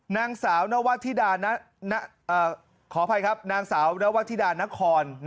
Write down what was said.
นางสาวนวัตถิดานวัตถิดานนคอน